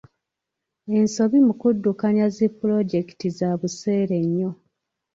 Ensobi mu kuddukanya zi pulojekiti za buseere nnyo.